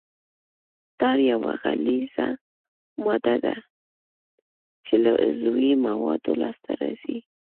ټار یوه غلیظه ماده ده چې له عضوي موادو لاسته راځي